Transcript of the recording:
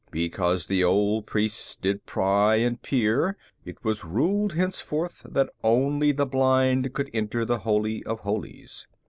"Because the old priests did pry and peer, it was ruled henceforth that only the blind could enter the Holy of Holies."